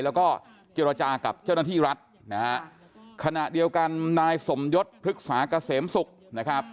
แล้วก็เจรจากับเจ้าหน้าที่รัฐนะฮะขณะเดียวกันนายสมยศพฤกษาเกษมศุกร์นะครับ